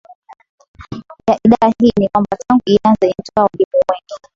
ya Idara hii ni kwamba tangu ianze Imetoa waalimu wengi